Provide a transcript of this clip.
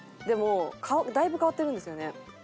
でもだいぶ変わってるんですよね？